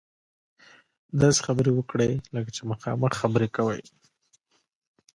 داسې خبرې وکړئ لکه چې مخامخ خبرې کوئ.